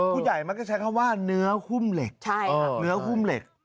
ผู้ใหญ่มักใช้คำว่าเนื้อคุ่มเหล็ก